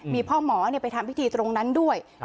มีพ่อหมอไปทำพิธีตรงนั้นด้วย